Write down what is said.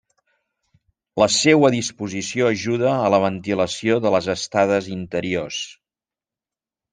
La seua disposició ajuda a la ventilació de les estades interiors.